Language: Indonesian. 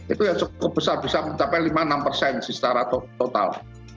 itu yang cukup besar bisa mencapai lima enam persen sih secara total